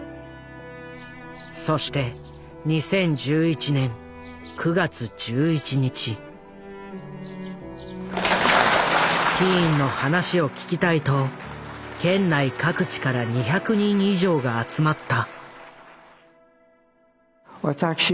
そしてキーンの話を聞きたいと県内各地から２００人以上が集まった。